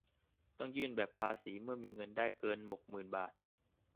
จะต้องยื่นแบบภาษีเมื่อมีเงินได้เกิน หกหมื่น บาท